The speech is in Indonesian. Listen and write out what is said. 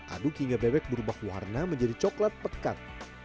aduk hingga bebek berubah warna menjadi coklat pekat